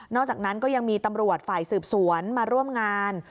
อกจากนั้นก็ยังมีตำรวจฝ่ายสืบสวนมาร่วมงาน